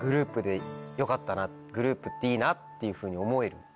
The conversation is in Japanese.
グループっていいなっていうふうに思える。